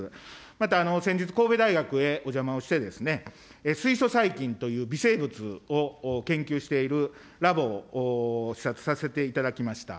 また先日、神戸大学へお邪魔をして、水素細菌という微生物を研究しているラボを視察させていただきました。